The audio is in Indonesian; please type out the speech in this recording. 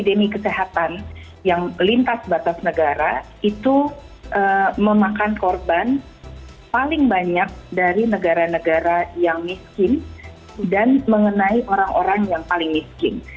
negara negara itu memakan korban paling banyak dari negara negara yang miskin dan mengenai orang orang yang paling miskin